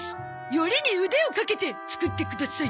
よりに腕をかけて作ってください。